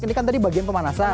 ini kan tadi bagian pemanasan